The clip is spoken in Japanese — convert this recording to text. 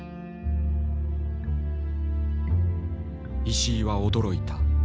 石井は驚いた。